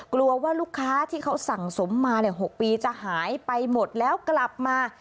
กลัวว่าลูกค้าที่เขาสั่งสมมา๖ปีจะหายไปหมดแล้วกลับมา